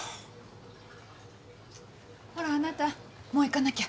ほらあなたもう行かなきゃ。